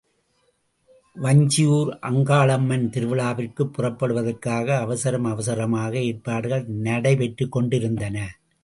வஞ்சியூர் அங்காளம்மன் திருவிழாவிற்குப் புறப்படுவதற்காக அவசரம் அவசரமாக ஏற்பாடுகள் நடைபெற்றுக் கொண்டிருந்தன.